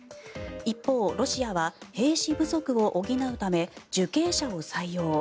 一方、ロシアは兵士不足を補うため受刑者を採用。